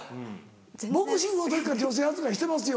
ボクシングの時から女性扱いしてますよ